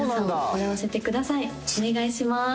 お願いします。